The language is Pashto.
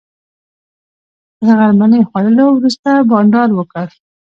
تر غرمنۍ خوړلو وروسته بانډار وکړ.